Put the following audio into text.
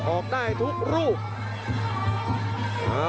ออกได้ทุกรูป